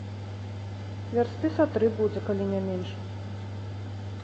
Вярсты са тры будзе, калі не менш.